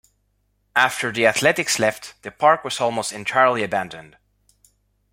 After the Athletics left, the park was almost entirely abandoned.